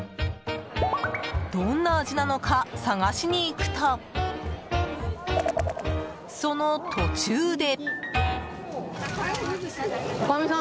どんな味なのか探しに行くとその途中で。